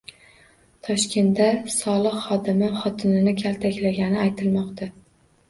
Toshkentda soliq xodimi xotinini kaltaklagani aytilmoqda